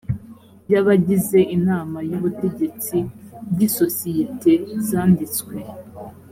y abagize inama y ubutegetsi y isosiyete zanditswe